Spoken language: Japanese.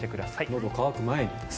のどが渇く前に。